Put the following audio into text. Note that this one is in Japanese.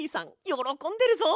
よろこんでるぞ。